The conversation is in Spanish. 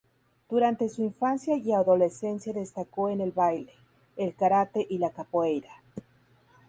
Durante su infancia y adolescencia destacó en el baile, el karate y la capoeira.